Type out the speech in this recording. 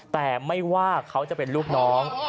แต่ไม่ว่าเขาจะเป็นลูกน้อง